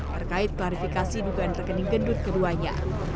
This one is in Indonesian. terkait klarifikasi dugaan rekening gendut keduanya